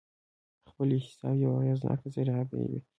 د خپل احتساب یوه اغېزناکه ذریعه به یې وي.